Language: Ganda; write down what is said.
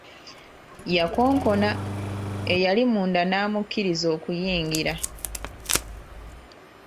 Yakonkona, eyali munda n’amukkiriza okuyingira.